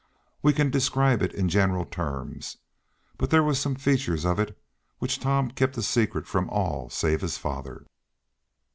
We can describe it in general terms, but there were some features of it which Tom kept a secret from all save his father.